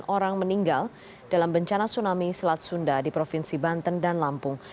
empat ratus dua puluh sembilan orang meninggal dalam bencana tsunami selat sunda di provinsi banten dan lampung